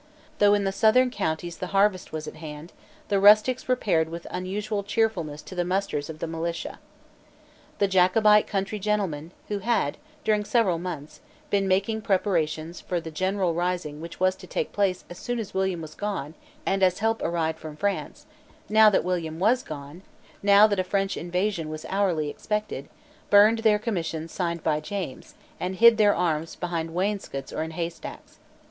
Though in the southern counties the harvest was at hand, the rustics repaired with unusual cheerfulness to the musters of the militia. The Jacobite country gentlemen, who had, during several months, been making preparations for the general rising which was to take place as soon as William was gone and as help arrived from France, now that William was gone, now that a French invasion was hourly expected, burned their commissions signed by James, and hid their arms behind wainscots or in haystacks.